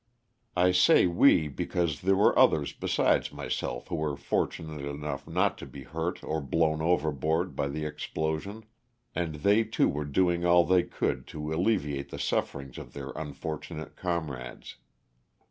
I say we because 320 LOSS OF THE SULTANA. there were others besides myself who were fortunate enough not to be hurt or blown overboard by the explosion, and they too were doing all they could to alleviate the sufferings of their unfortunate comrades.